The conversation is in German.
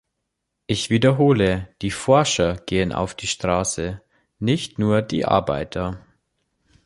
Ich wiederhole, die Forscher gehen auf die Straße, nicht nur die Arbeiter.